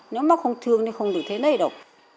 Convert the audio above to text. nếu mà không thương thì không được thế này đâu